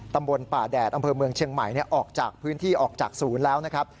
ตำบลป่าแดดอำเภอเมืองเชียงใหม่ออกจากพื้นที่ออกจากศูนย์แล้วนะครับ